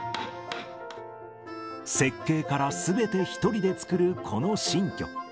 設計からすべて１人で作るこの新居。